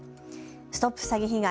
ＳＴＯＰ詐欺被害！